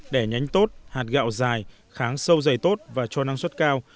đẻ nhánh tốt hạt gạo dài kháng sâu dày tốt và cho năng suất cao